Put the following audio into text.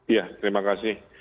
iya terima kasih